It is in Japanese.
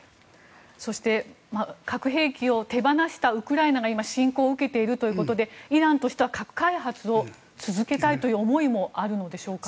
そして核兵器を手放したウクライナが今、侵攻を受けているということでイランとしては核開発を続けたいという思いもあるのでしょうか。